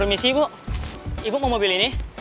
remisi ibu ibu mau mobil ini